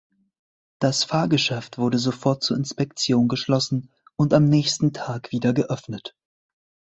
Das Fahrgeschäft wurde sofort zur Inspektion geschlossen und am nächsten Tag wieder geöffnet.